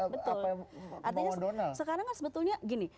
betul artinya sekarang kan sebetulnya gini